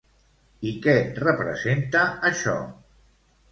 I què representa això?